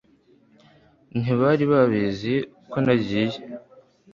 ntibari babizi ko nagiye